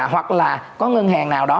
hoặc là có ngân hàng nào đó